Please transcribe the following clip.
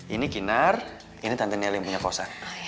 ini kinar ini tante nelly yang punya kosan